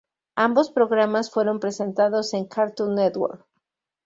Ambos programas fueron presentados en Cartoon Network.